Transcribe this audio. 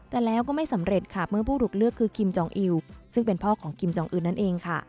แต่แล้วก็ไม่สำเร็จค่ะเมื่อผู้ถูกเลือกคือคิมจองอิวซึ่งเป็นพ่อของคิมจองอื่นนั่นเองค่ะ